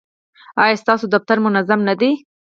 ایا ستاسو دفتر منظم نه دی؟